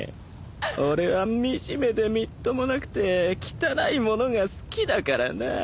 俺は惨めでみっともなくて汚いものが好きだからなぁ。